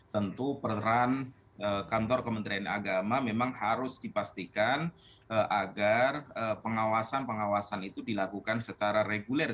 tentu peran kantor kementerian agama memang harus dipastikan agar pengawasan pengawasan itu dilakukan secara reguler